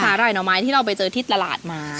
หร่ายหน่อไม้ที่เราไปเจอที่ตลาดมา